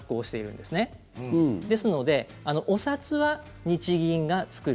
ですので、お札は日銀が作る。